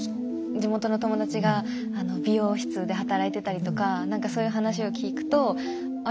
地元の友達が美容室で働いてたりとかなんかそういう話を聞くとあれ？